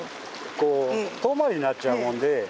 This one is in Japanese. こう遠回りになっちゃうもんで。